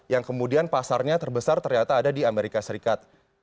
yang kemudian pasarnya terbesar ternyata ada di amerika serikat